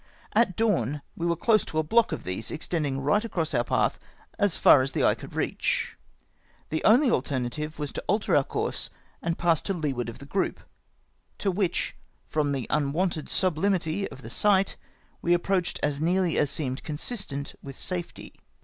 At dawn we were close to a block of these, extending right across our path as far as the eye could reach. The only alternative was to alter our course and pass to lee ward of the group, to which, from the unwonted sub hmity of the sight, we approached as nearly as seemed consistent with safety.